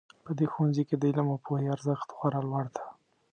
په دې ښوونځي کې د علم او پوهې ارزښت خورا لوړ ده